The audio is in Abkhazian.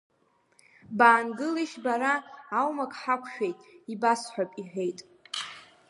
Баангылишь бара, аумак ҳақәшәеит, ибасҳәап, — иҳәеит.